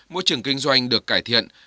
môi trường kinh doanh được cải thiện